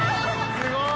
すごい！